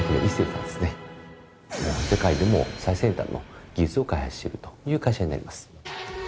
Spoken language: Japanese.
世界でも最先端の技術を開発してるという会社になります。